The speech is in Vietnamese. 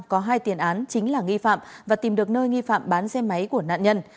có hai tiền án chính là nghi phạm và tìm được nơi nghi phạm bán xe máy của nạn nhân